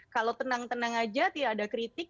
kalau tenang tenang aja tidak ada kritik